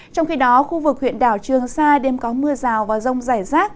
trong khi đó khu vực huyện đảo trường sa đêm có mưa rào và rông rải rác